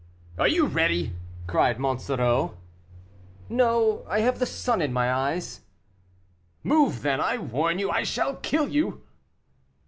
"Are you ready?" cried Monsoreau. "No; I have the sun in my eyes." "Move then; I warn you I shall kill you."